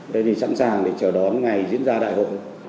đây thì sẵn sàng để chờ đón ngày diễn ra đại hội